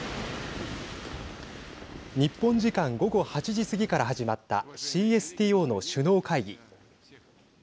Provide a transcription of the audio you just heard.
日本時間午後８時過ぎから始まったＣＳＴＯの首脳会議。